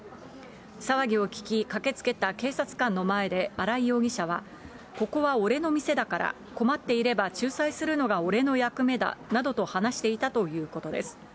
騒ぎを聞き、駆けつけた警察官の前で新井容疑者は、ここは俺の店だから、困っていれば仲裁するのが俺の役目だなどと話していたということです。